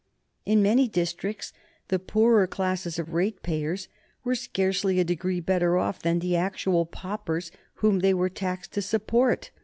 In many districts the poorer classes of ratepayers were scarcely a degree better off than the actual paupers whom they were taxed to support.